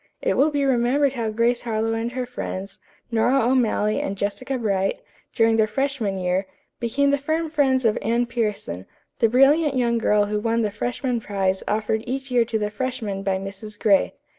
It will be remembered how Grace Harlowe and her friends, Nora O'Malley and Jessica Bright, during their freshman year, became the firm friends of Anne Pierson, the brilliant young girl who won the freshman prize offered each year to the freshmen by Mrs. Gray.